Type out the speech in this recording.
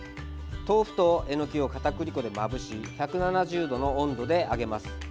豆腐とえのきを片栗粉でまぶし１７０度の温度で揚げます。